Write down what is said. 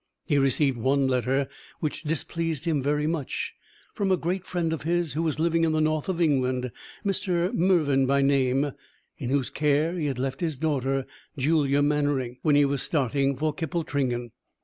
He received one letter, which displeased him very much, from a great friend of his who was living in the north of England, Mr. Mervyn by name, in whose care he had left his daughter, Julia Mannering, when he was starting for Kippletringan.